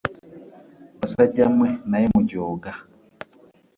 Basajja mmwe naye mujooga.